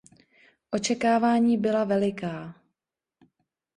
Očekávání byla veliká.